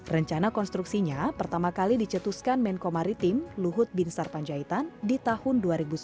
rencana konstruksinya pertama kali dicetuskan menko maritim luhut bin sarpanjaitan di tahun dua ribu sembilan belas